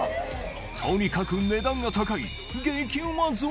とにかく値段が高い